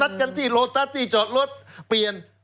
กันที่โลตัสที่จอดรถเปลี่ยน